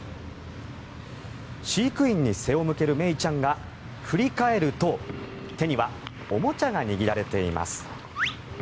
飼育員に背を向けるメイちゃんが振り返ると手にはおもちゃが握られています。